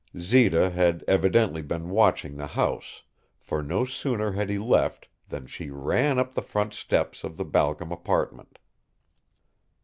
Zita had evidently been watching the house, for no sooner had he left than she ran up the front steps of the Balcom apartment.